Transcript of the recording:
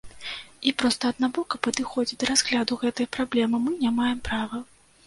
І проста аднабока падыходзіць да разгляду гэтай праблемы мы не маем права.